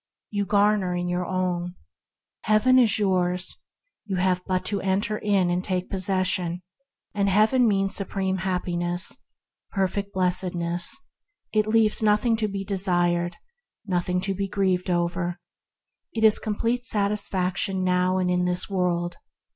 You garner in your own. Heaven is yours; you have but to enter in and take possession; and Heaven means Supreme Happiness, Perfect Blessedness; it leaves nothing to be desired, nothing to be grieved over. It is complete satisfaction now and in this world.